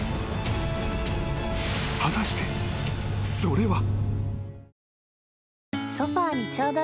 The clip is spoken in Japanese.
［果たしてそれは］